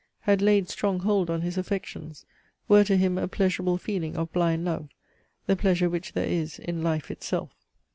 had laid Strong hold on his affections, were to him A pleasurable feeling of blind love, The pleasure which there is in life itself.